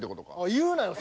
言うなよ！